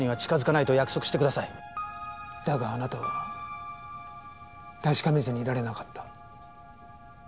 だがあなたは確かめずにいられなかった。